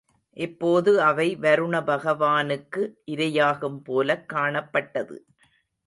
இப்போது அவை வருணபகவானுக்கு இரையாகும் போலக் காணப்பட்டது.